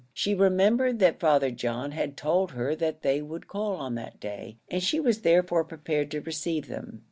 She remembered that Father John had told her that they would call on that day, and she was therefore prepared to receive them.